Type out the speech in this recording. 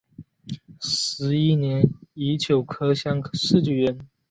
十一年乙酉科乡试举人。